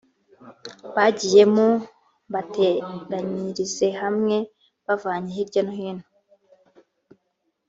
bagiyemo mbateranyirize hamwe mbavanye hirya no hino